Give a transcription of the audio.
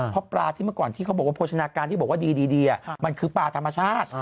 เพราะปลาที่เมื่อก่อนที่เขาบอกว่าโภชนาการที่บอกว่าดีมันคือปลาธรรมชาติ